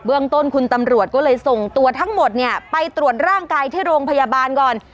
เรื่องต้นคุณตำรวจก็เลยส่งตัวทั้งหมดเนี่ยไปตรวจร่างกายที่โรงพยาบาลก่อน